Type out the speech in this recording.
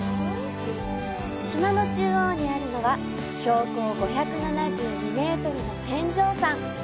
島の中央にあるのは標高５７２メートルの天上山。